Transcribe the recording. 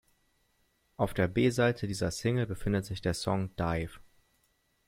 Auf der B-Seite dieser Single befindet sich der Song "Dive".